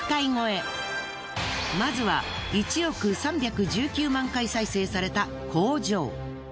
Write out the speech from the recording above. まずは１億３１９万回再生された工場。